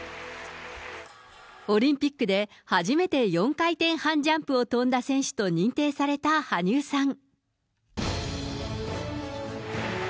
オリンピックで初めて４回転半ジャンプを跳んだ選手と認定された羽生さん。